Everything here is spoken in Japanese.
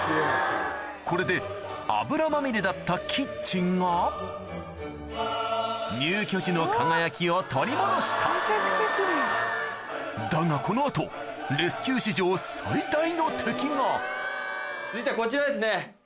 これで油まみれだったキッチンが入居時の輝きを取り戻しただがこの後レスキュー史上最大の敵が続いてはこちらですね。